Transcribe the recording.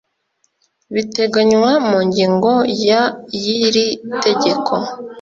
Biteganywa mu ngingo ya y iri tegeko